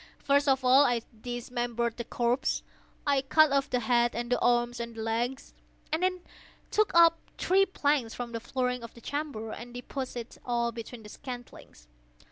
First of all I dismembered the corpse. I cut off the head and the arms and the legs. I then took up three planks from the flooring of the chamber, and deposited all between the scantlings.